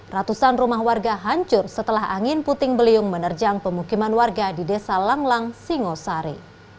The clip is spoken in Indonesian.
ratusan rumah warga hancur setelah angin puting beliung menerjang pemukiman warga di desa langlang singosari